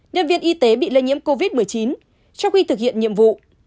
nhân viên y tế bị lây nhiễm covid một mươi chín trong khi thực hiện nhiệm vụ